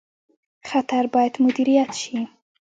خطر باید مدیریت شي